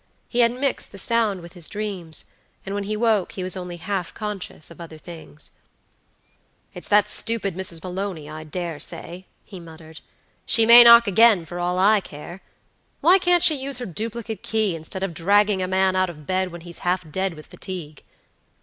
He had mixed the sound with his dreams, and when he woke he was only half conscious of other things. "It's that stupid Mrs. Maloney, I dare say," he muttered. "She may knock again for all I care. Why can't she use her duplicate key, instead of dragging a man out of bed when he's half dead with fatigue."